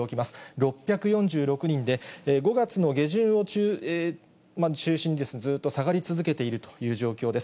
６４６人で、５月の下旬を中心に、ずっと下がり続けているという状況です。